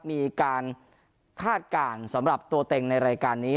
มีการคาดการณ์สำหรับตัวเต็งในรายการนี้